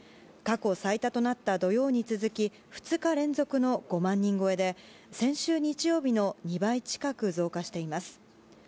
過去最多となった土曜に続き２日連続の５万人超えで先週日曜日の２倍近く増加しています。